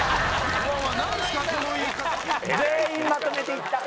「」全員まとめていった。